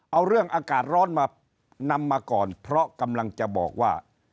เอาเรื่องอากาศร้อนมานำมาก่อนเพราะกำลังจะบอกว่า